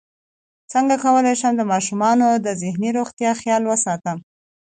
څنګه کولی شم د ماشومانو د ذهني روغتیا خیال وساتم